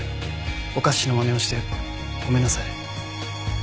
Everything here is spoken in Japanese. おかしなまねをしてごめんなさい。